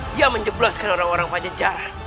dia menjebloskan orang orang panjang jalan